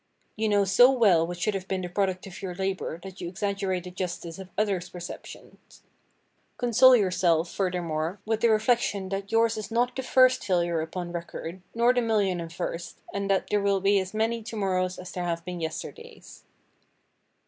You know so well what should have been the product of your labor that you exaggerate the justice of others' perceptions. Console yourself, furthermore, with the reflection that yours is not the first failure upon record, nor the million and first, and that there will be as many to morrows as there have been yesterdays.